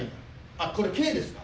あっこれ軽ですか？